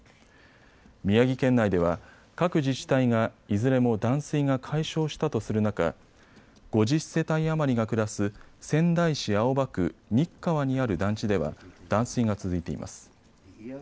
宮城県内では各自治体がいずれも断水が解消したとする中、５０世帯余りが暮らす仙台市青葉区新川にある団地では断水が続いています。